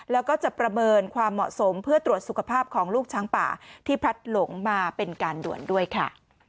แล้วก็จะประเมินความเหมาะสมเพื่อตรวจสุขภาพของลูกช้างป่าที่พลัดหลงมาเป็นการด่วนด้วยค่ะ